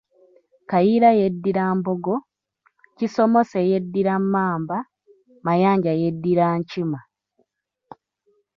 Kayiira yeddira Mbogo, Kisomose yeddira Mmamba, Mayanja yeddira Nkima.